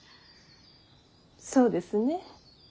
そうですね。